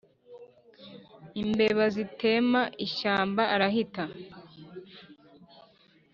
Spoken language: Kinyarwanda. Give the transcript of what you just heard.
Imbeba zitema ishyamba arahita